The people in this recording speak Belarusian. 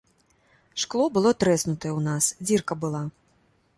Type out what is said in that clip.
Шкло было трэснутае ў нас, дзірка была.